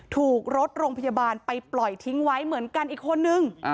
ถูกรถโรงพยาบาลไปปล่อยทิ้งไว้เหมือนกันอีกคนนึง